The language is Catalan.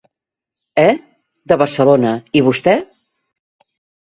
Eh? —De Barcelona, i vostè?